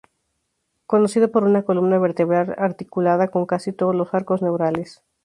Conocido por una columna vertebral articulada, con casi todos los arcos neurales.